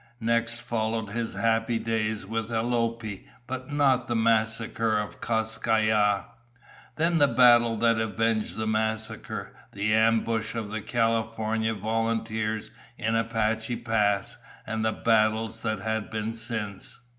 Next followed his happy days with Alope, but not the massacre at Kas Kai Ya. Then the battle that avenged the massacre, the ambush of the California Volunteers in Apache Pass, and the battles that had been since.